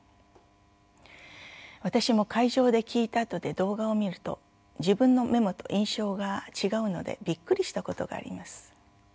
私も会場で聴いたあとで動画を見ると自分のメモと印象が違うのでびっくりしたことがあります。